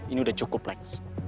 ini udah cukup lex